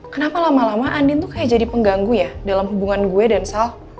kenapa lama lama andin tuh kayak jadi pengganggu ya dalam hubungan gue dan salk